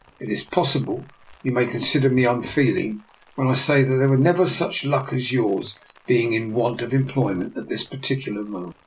It is possible you may consider me unfeeling when I say that there never was such luck as your being in want of employment at this particular moment.